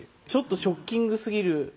ちょっとショッキングすぎる。